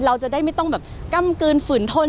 เราจะได้ไม่ต้องแบบก้ำกลืนฝืนทน